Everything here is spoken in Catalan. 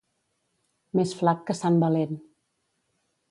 Més flac que sant Valent.